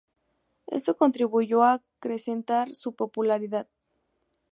Esto contribuyó a acrecentar su popularidad.